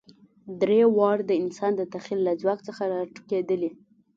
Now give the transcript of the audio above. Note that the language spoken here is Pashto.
درې واړه د انسان د تخیل له ځواک څخه راټوکېدلي.